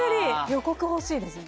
予告欲しいですね